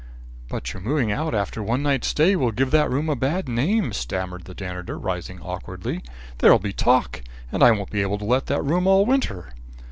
"But your moving out after one night's stay will give that room a bad name," stammered the janitor, rising awkwardly. "There'll be talk and I won't be able to let that room all winter."